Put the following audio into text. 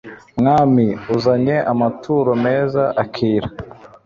mwami), uzanye amaturo meza (akira